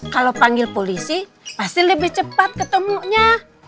kalau panggil polisi pasti lebih cepat ketemunya